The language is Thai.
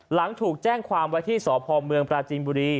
หลังถูกแจ้งความไว้ที่สพเมืองปราจีนบุรี